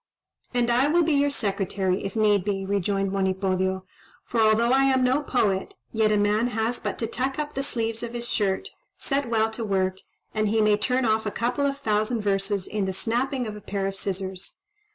"And I will be your secretary, if need be," rejoined Monipodio, "for although I am no poet, yet a man has but to tuck up the sleeves of his shirt, set well to work, and he may turn off a couple of thousand verses in the snapping of a pair of scissors.